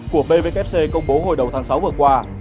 của pvkc công bố hồi đầu tháng sáu vừa qua